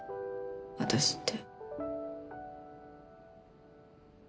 私って。